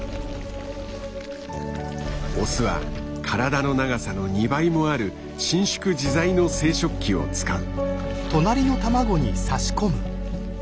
オスは体の長さの２倍もある伸縮自在の生殖器を使う。